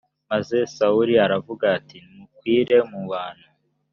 maze sawuli aravuga ati nimukwire mu bantu